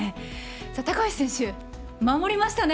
高橋選手、守りましたね。